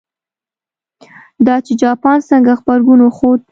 دا چې جاپان څنګه غبرګون وښود.